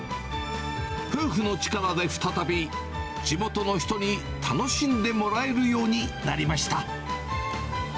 夫婦の力で再び、地元の人に楽しんでもらえるようになりました。